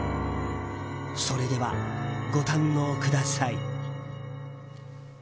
それでは、ご堪能ください。